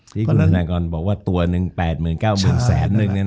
ที่คุณภรรยากรบอกว่าตัวนึงแปดหมื่นเก้าหมื่นแสนนึงนะครับ